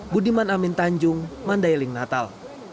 budiman amin tanjung mandailing natal